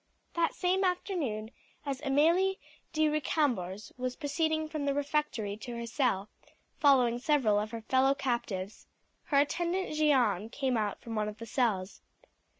That same afternoon as Amelie de Recambours was proceeding from the refectory to her cell, following several of her fellow captives, her attendant Jeanne came out from one of the cells.